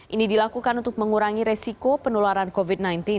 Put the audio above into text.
ini dilakukan untuk mengurangi resiko penularan covid sembilan belas